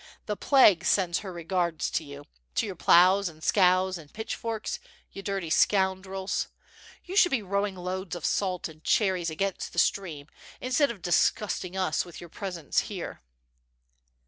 The plague sends her regards to you; to your plows and scows and pitchforks, you dirty scoundrels; you should be rowing loads of salt and cherries against the stream, instead of disgusting us with your pres ence here.''